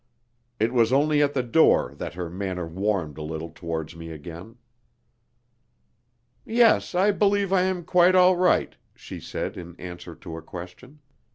It was only at the door that her manner warmed a little towards me again. "Yes, I believe I am quite all right," she said, in answer to a question.